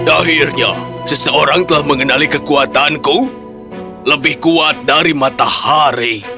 akhirnya seseorang telah mengenali kekuatanku lebih kuat dari matahari